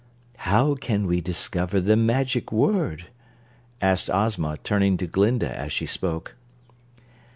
"How can we discover the magic word?" asked Ozma, turning to Glinda as she spoke.